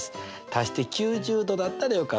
足して９０°だったらよかったんだよね。